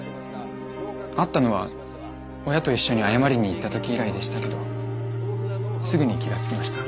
会ったのは親と一緒に謝りに行った時以来でしたけどすぐに気がつきました。